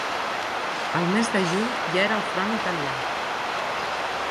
El mes de juny ja era al front italià.